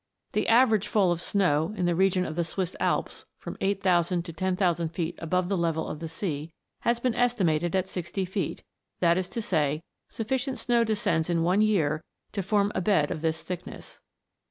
The average fall of snow, in the region of the Swiss Alps, from 8000 to 10,000 feet above the level of the sea, has been estimated at sixty feet, that is to say, sufficient snow descends in one year to form a bed of this thickness.